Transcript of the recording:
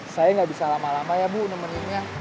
saya nggak bisa lama lama ya bu nemeninnya